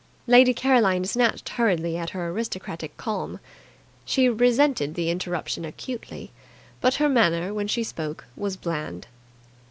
Lady Caroline snatched hurriedly at her aristocratic calm. She resented the interruption acutely, but her manner, when she spoke, was bland.